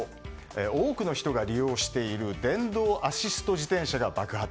多くの人が利用している電動アシスト自転車が爆発。